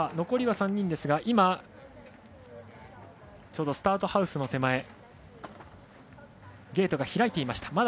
残り３人ですが今、ちょうどスタートハウスの手前ゲートが開いていました。